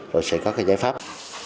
rồi sẽ có cái giải pháp